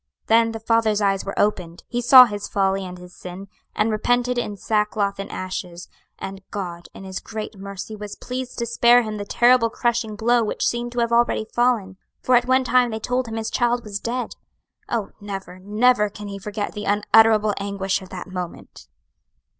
Then the father's eyes were opened; he saw his folly and his sin, and repented in sackcloth and ashes; and God, in His great mercy, was pleased to spare him the terrible crushing blow which seemed to have already fallen; for at one time they told him his child was dead. Oh, never, never can he forget the unutterable anguish of that moment!"